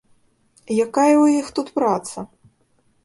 Якая ў іх тут праца?